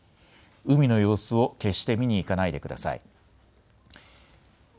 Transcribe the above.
海の様子を決して見に行かないでください。